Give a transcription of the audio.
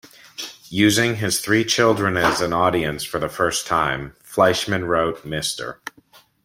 Using his three children as an audience for the first time, Fleischman wrote Mr.